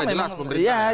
sudah jelas pemerintah